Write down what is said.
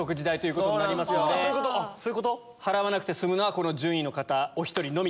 払わなくて済むのはこの順位の方お１人のみ。